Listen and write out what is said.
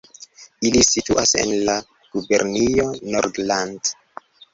Ili situas en la gubernio Nordland.